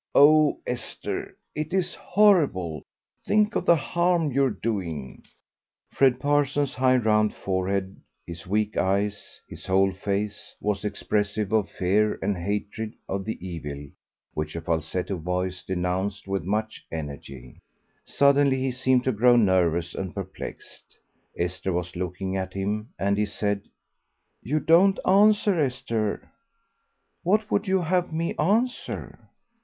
Oh, Esther, it is horrible; think of the harm you're doing." Fred Parsons' high, round forehead, his weak eyes, his whole face, was expressive of fear and hatred of the evil which a falsetto voice denounced with much energy. Suddenly he seemed to grow nervous and perplexed. Esther was looking at him, and he said, "You don't answer, Esther?" "What would you have me answer?"